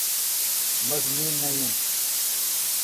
م ٹھ نیند نہ یین۔